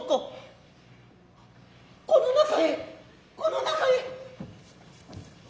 此の中へ此の中へ。